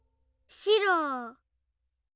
しろ。